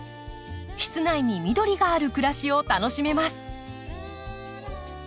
室内に緑がある暮らしを楽しめます。